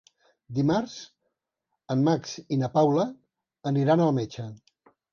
Dimarts en Max i na Paula aniran al metge.